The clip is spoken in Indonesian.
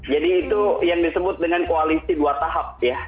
jadi itu yang disebut dengan koalisi dua tahap ya